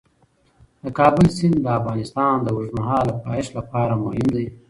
د کابل سیند د افغانستان د اوږدمهاله پایښت لپاره مهم دی.